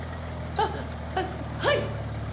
あははい！